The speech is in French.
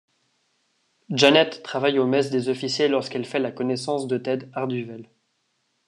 Janet travaille au mess des officiers lorsqu'elle fait la connaissance de Ted Harduvel.